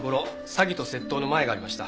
詐欺と窃盗のマエがありました。